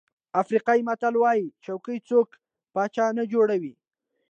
افریقایي متل وایي چوکۍ څوک پاچا نه جوړوي.